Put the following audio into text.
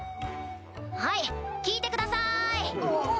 はい聞いてください！